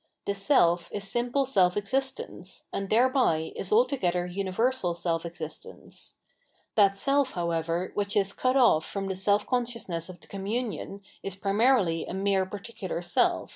The self is simple self existence, and thereby is altogether universal self existence ; I that self, however, winch is cut off from the self con isciousness of the commmiion, is primarily a mere par fecular self.